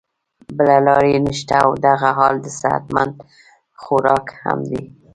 بله لار ئې نشته او دغه حال د صحت مند خوراک هم دے